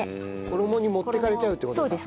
衣に持っていかれちゃうって事か。